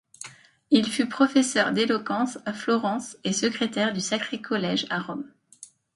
Il fut professeur d'éloquence à Florence et secrétaire du Sacré Collège à Rome.